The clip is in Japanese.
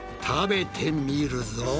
食べてみるぞ。